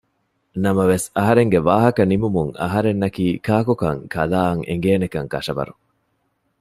ނަމަވެސް އަހަރެންގެ ވާހަކަ ނިމުމުން އަހަރެންނަކީ ކާކު ކަން ކަލާއަށް އެނގޭނެކަން ކަށަވަރު